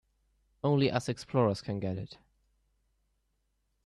Only us explorers can get it.